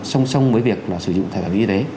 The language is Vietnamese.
song song với việc là sử dụng thẻ bảo hiểm y tế